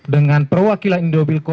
dengan perwakilan indobilco